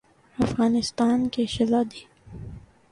افغانستان کےشہزاد ے